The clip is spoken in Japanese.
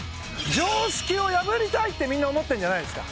常識を破りたいってみんな思ってるんじゃないですか？